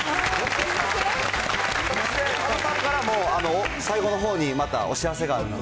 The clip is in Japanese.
そして佐野さんからも、最後のほうにまたお知らせがあるんです。